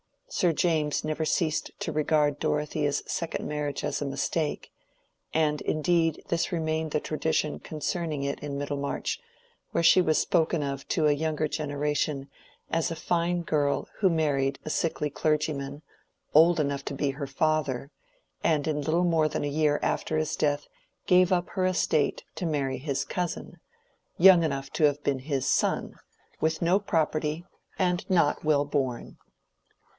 Sir James never ceased to regard Dorothea's second marriage as a mistake; and indeed this remained the tradition concerning it in Middlemarch, where she was spoken of to a younger generation as a fine girl who married a sickly clergyman, old enough to be her father, and in little more than a year after his death gave up her estate to marry his cousin—young enough to have been his son, with no property, and not well born.